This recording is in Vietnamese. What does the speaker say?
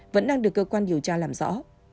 vẫn đang được cơ quan điều tra làm rõ